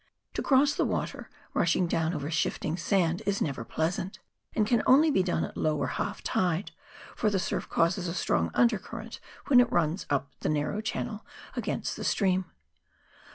To cross the water, rushing down over shifting sand, is never pleasant, and can only be done at low or half tide, for the surf causes a strong undercurrent when it runs up the narrow channel against the stream.